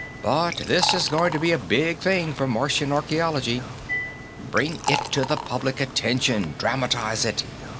"But this is going to be a big thing for Martian archaeology. Bring it to the public attention; dramatize it.